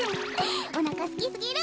おなかすきすぎる。